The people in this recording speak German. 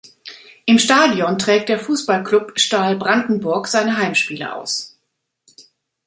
Im Stadion trägt der Fußballclub Stahl Brandenburg seine Heimspiele aus.